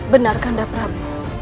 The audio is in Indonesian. benarkah anda prabu